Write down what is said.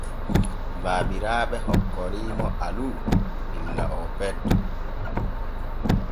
Baabiraaɓe hokkori mo Alu illa oo petto.